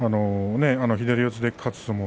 左四つで勝つ相撲